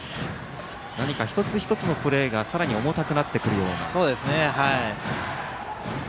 何か一つ一つのプレーがさらに重たくなってくるような。